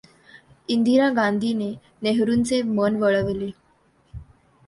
इंदिरा गांधीने नेहरुंचे मन वळवले.